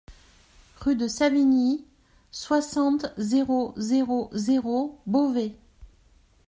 Rue de Savignies, soixante, zéro zéro zéro Beauvais